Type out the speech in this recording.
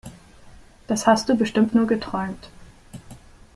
Das hast du bestimmt nur geträumt!